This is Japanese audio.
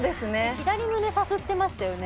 左胸さすってましたよね。